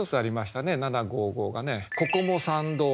「ここも参道」。